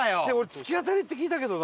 突き当たりって聞いたけどな。